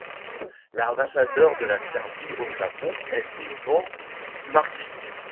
L'ambassadeur de la Serbie au Japon est Ivan Mrkić.